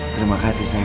terima kasih sayang